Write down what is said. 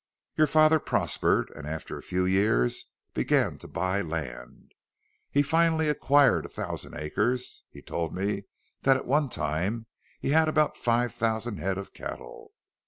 Your father prospered and after a few years began to buy land. He finally acquired a thousand acres; he told me that at one time he had about five thousand head of cattle.